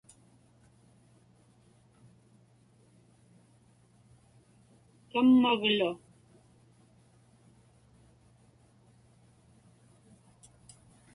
kammaglu